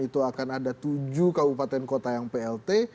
itu akan ada tujuh kabupaten kota yang plt